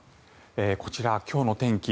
こちら、今日の天気